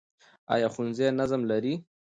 ایا ښوونځي نظم لري؟